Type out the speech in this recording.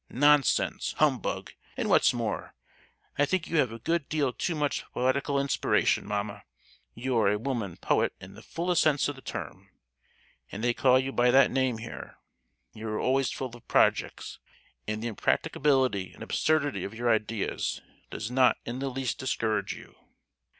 "Nonsense, humbug! and what's more, I think you have a good deal too much poetical inspiration, mamma; you are a woman poet in the fullest sense of the term, and they call you by that name here! You are always full of projects; and the impracticability and absurdity of your ideas does not in the least discourage you.